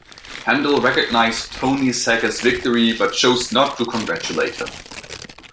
Handal recognized Tony Saca's victory, but chose not to congratulate him.